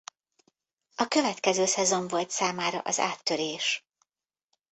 A következő szezon volt számára az áttörés.